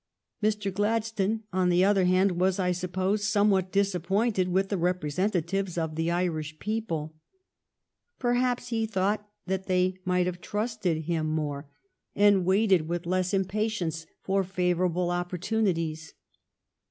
Mr. Gladstone, on the other hand, was, I suppose, somewhat disappointed with the representatives of the Irish people. Perhaps he thought that they might have trusted him 342 THE STORY OF GLADSTONE'S LIFE more and waited with less impatience for favor able opportunities.